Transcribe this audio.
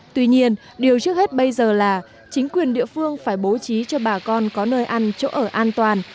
tuy nhiên điều trước hết bây giờ là chính quyền địa phương phải bố trí cho bà con có nơi ăn chỗ ở an toàn